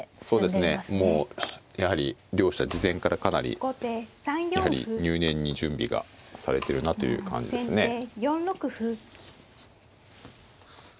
そうですねもうやはり両者事前からかなりやはり入念に準備がされてるなという感じですね。